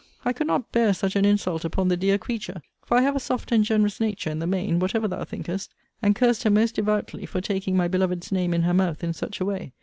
I could not bear such an insult upon the dear creature, (for I have a soft and generous nature in the main, whatever thou thinkest;) and cursed her most devoutly, for taking my beloved's name in her mouth in such a way.